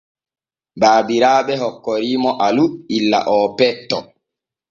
Baabiraaɓe hokkori mo Alu illa oo petto.